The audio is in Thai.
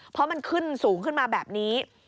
เพราะมันขึ้นสูงขึ้นมาแบบนี้